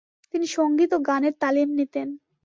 তিনি সঙ্গীত ও গানের তালিম নিতেন।